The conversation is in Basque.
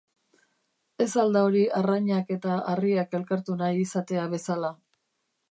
Ez al da hori arrainak eta harriak elkartu nahi izatea bezala?